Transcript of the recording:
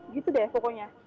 gitu deh pokoknya